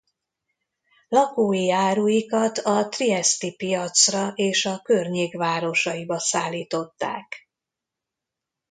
Lakói áruikat a Trieszti piacra és a környék városaiba szállították.